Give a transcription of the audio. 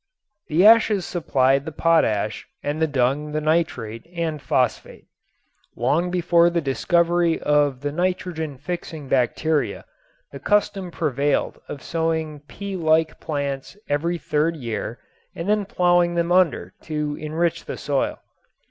The ashes supplied the potash and the dung the nitrate and phosphate. Long before the discovery of the nitrogen fixing bacteria, the custom prevailed of sowing pea like plants every third year and then plowing them under to enrich the soil.